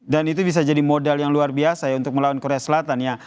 dan itu bisa jadi modal yang luar biasa ya untuk melawan korea selatan ya